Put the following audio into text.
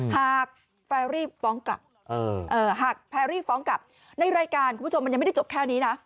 หากแพรรี่ฟ้องกลับในรายการคุณผู้ชมมันยังไม่ได้จบแค่นี้นะ